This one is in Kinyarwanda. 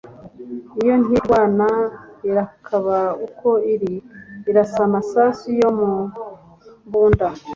Iyo ntirwana irakaba ukwo iri Irasa amasasu yo mu mbunda;